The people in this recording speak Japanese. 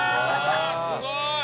すごい！